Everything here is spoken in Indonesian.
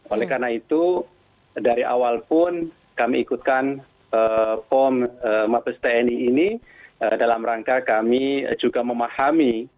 oleh karena itu dari awal pun kami ikutkan pom mabes tni ini dalam rangka kami juga memahami